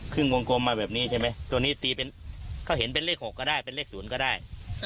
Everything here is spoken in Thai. วงกลมมาแบบนี้ใช่ไหมตัวนี้ตีเป็นเขาเห็นเป็นเลข๖ก็ได้เป็นเลข๐ก็ได้